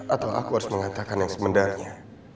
atau aku harus mengatakan yang sebenarnya